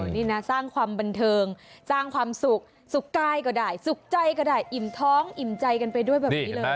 นี่นะสร้างความบันเทิงสร้างความสุขสุขกายก็ได้สุขใจก็ได้อิ่มท้องอิ่มใจกันไปด้วยแบบนี้เลย